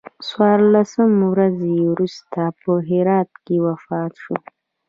څوارلس ورځې وروسته په هرات کې وفات شو.